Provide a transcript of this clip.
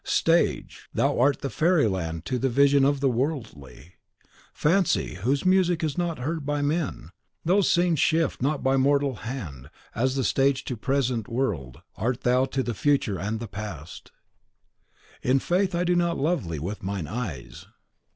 Stage, thou art the Fairy Land to the vision of the worldly. Fancy, whose music is not heard by men, whose scenes shift not by mortal hand, as the stage to the present world, art thou to the future and the past! CHAPTER 3.III. In faith, I do not love thee with mine eyes.